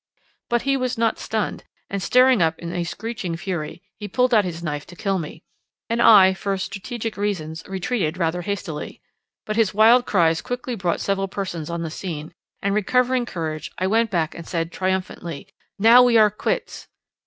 But he was not stunned, and starting up in a screeching fury, he pulled out his knife to kill me. And I, for strategic reasons, retreated, rather hastily. But his wild cries quickly brought several persons on the scene, and, recovering courage, I went back and said triumphantly, "Now we are quits!"